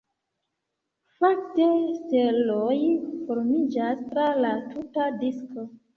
Fakte, steloj formiĝas tra la tuta disko.